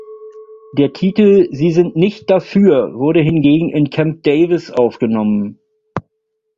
Der Titel "Sie sind nicht dafür" wurde hingegen in Camp Davis aufgenommen.